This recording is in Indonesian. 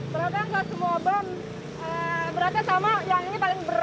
berat banget beratnya gak semua bahan beratnya sama yang ini paling berat